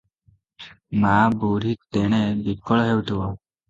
ମାଆ ବୁଢ଼ୀ ତେଣେ ବିକଳ ହେଉଥିବ ।